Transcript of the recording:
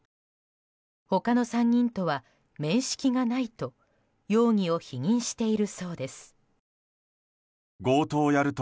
他の３人とは面識がないと容疑を否認しているそうです。